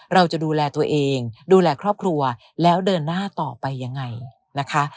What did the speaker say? เราจะดูแลตัวเองดูแลครอบครัวแล้วเดินหน้าต่อไปยังไงนะคะ